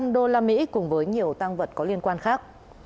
một trăm linh đô la mỹ cùng với nhiều tăng vật có liên quan khác